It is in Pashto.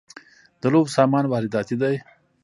د لوبو سامان وارداتی دی؟